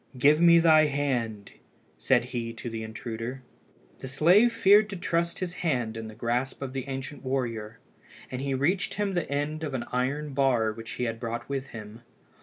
"Give me thy hand," said he to the intruder. The slave feared to trust his hand in the grasp of the ancient warrior, and he reached him the end of an iron bar which he had brought with him.